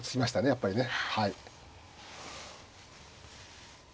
やっぱりね。